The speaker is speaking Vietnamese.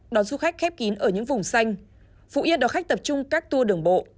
đón du khách khép kín ở những vùng xanh phụ yên đòi khách tập trung các tour đường bộ